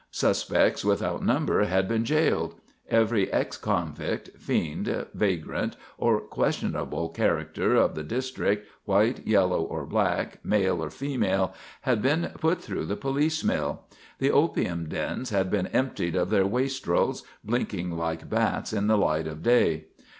Suspects without number had been jailed. Every ex convict, "fiend," vagrant, or questionable character of the district, white, yellow, or black, male or female, had been put through the police mill. The opium dens had been emptied of their wastrels, blinking like bats in the light of day.